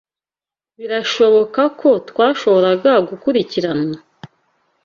Birashoboka ko twashoboraga gukurikiranwa?